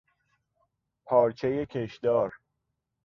پارچهی کشدار